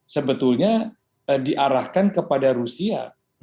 sebetulnya diarahkan kepada rusia